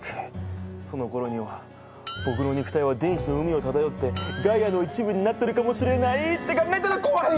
そのころには僕の肉体は電子の海をただよってガイアの一部になってるかもしれないって考えたら怖い！